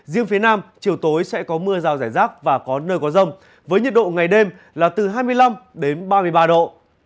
riêng phía nam chiều tối sẽ có mưa rào rải rác và có nơi có rông với nhiệt độ ngày đêm là từ hai mươi năm đến ba mươi ba độ